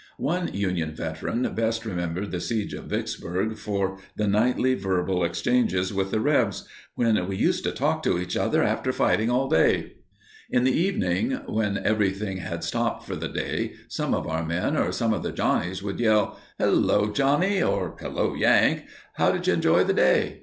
One Union veteran best remembered the siege of Vicksburg for the nightly verbal exchanges with the "Rebs" when "we used to talk to each other after fighting all day." In the evening when everything had stopped for the day, some of our men or some of the Johnnies would yell, "hello Johnnie" or "hello Yank" "how did you enjoy the day?"